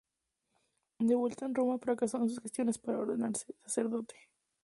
De vuelta en Roma, fracasó en sus gestiones para ordenarse sacerdote.